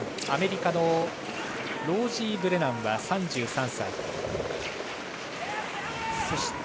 アメリカのロージー・ブレナンは３３歳の選手。